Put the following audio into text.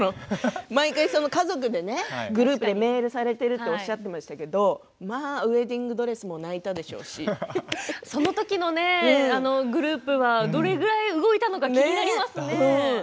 毎回、家族でグループでメールをされているとおっしゃっていましたけれどウエディングドレスもその時のグループはどれぐらい動いたのか気になりますね。